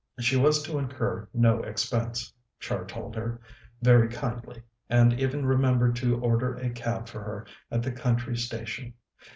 She was to incur no expense, Char told her, very kindly, and even remembered to order a cab for her at the country station.